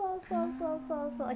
そうそうそうそう。